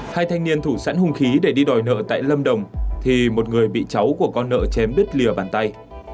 hai thanh niên thủ sẵn hùng khí để đi đòi nợ tại lâm đồng thì một người bị cháu của con nợ chém đứt lìa bàn tay